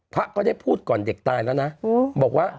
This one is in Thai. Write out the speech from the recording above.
พระก็ได้พูดก่อนเด็กตายแล้วนะบอกว่า